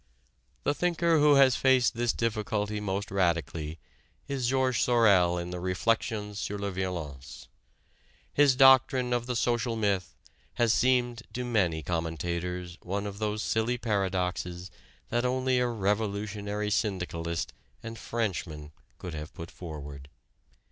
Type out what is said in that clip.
The thinker who has faced this difficulty most radically is Georges Sorel in the "Reflexions sur la Violence." His doctrine of the "social myth" has seemed to many commentators one of those silly paradoxes that only a revolutionary syndicalist and Frenchman could have put forward.